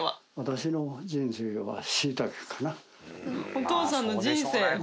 お父さんの人生。